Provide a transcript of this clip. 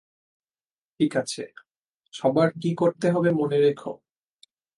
ঠিক আছে, সবার কি করতে হবে মনে রেখো!